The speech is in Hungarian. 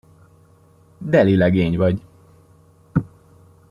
Deli legény vagy!